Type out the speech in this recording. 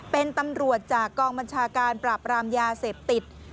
เป็นตำรวจจากกองบัญชาการปราบรามยาเสพติด